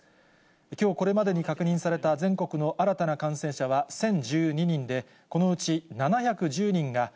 きょうこれまでに確認された全国の新たな感染者は１０１２人で、このうち７１０人が、た。